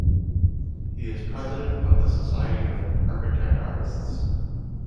He is President of the Society of Architect Artists.